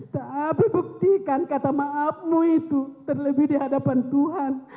tapi buktikan kata maafmu itu terlebih di hadapan tuhan